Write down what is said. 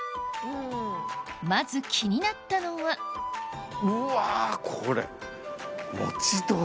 まず気になったのはうわこれ餅どら！